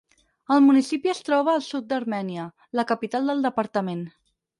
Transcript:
El municipi es troba al sud d'Armènia, la capital del departament.